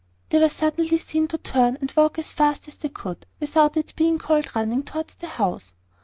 They were suddenly seen to turn, and walk as fast as they could, without its being called running, towards the house.